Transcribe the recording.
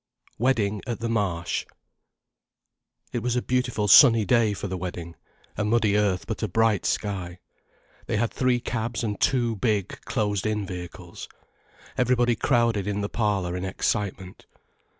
WEDDING AT THE MARSH It was a beautiful sunny day for the wedding, a muddy earth but a bright sky. They had three cabs and two big closed in vehicles. Everybody crowded in the parlour in excitement.